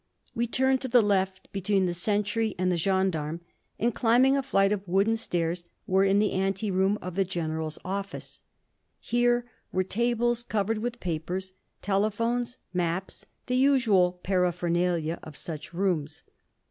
We turned to the left, between the sentry and the gendarme, and climbing a flight of wooden stairs were in the anteroom of the general's office. Here were tables covered with papers, telephones, maps, the usual paraphernalia of such rooms.